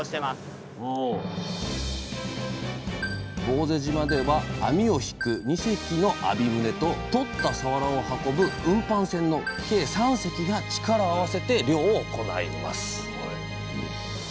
坊勢島では網を引く２隻の「網船」ととったさわらを運ぶ「運搬船」の計３隻が力を合わせて漁を行います。